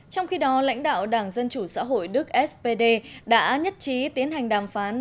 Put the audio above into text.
trong khi đó lãnh đạo đảng dân chủ xã hội đức spd đã nhất trí tiến hành đàm phán